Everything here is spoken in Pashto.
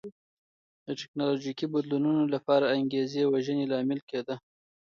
د ټکنالوژیکي بدلونونو لپاره انګېزې وژنې لامل کېده.